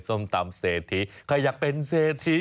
ส้มตำเศรษฐีใครอยากเป็นเศรษฐี